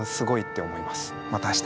また明日。